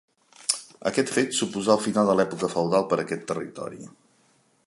Aquest fet suposà el final de l'època feudal per a aquest territori.